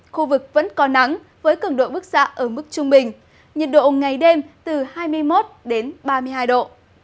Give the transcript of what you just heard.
khu vực vẫn có nắng với cứng độ bức xạ ở mức trung bình nhiệt độ ngày đêm từ hai mươi một ba mươi hai độ